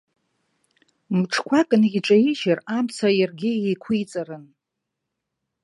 Мҿқәак неиҿаижьыр, амца иаргьы еиқәиҵарын.